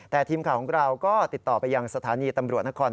แต่ทีมข่าวของเราก็ติดต่อไปยังสถานีตำรวจนคร